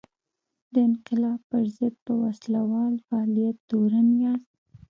د انقلاب پر ضد په وسله وال فعالیت تورن یاست.